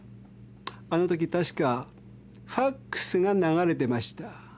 あのとき確かファクスが流れてました。